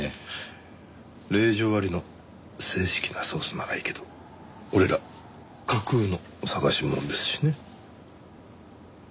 令状ありの正式な捜査ならいいけど俺ら架空の探し物ですしね。